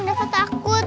nggak usah takut